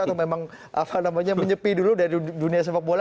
atau memang apa namanya menyepi dulu dari dunia sepak bola